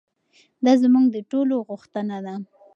دا زموږ د ټولو غوښتنه ده.